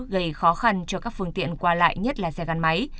gây khó khăn cho các phương tiện qua lại nhất là xe gắn máy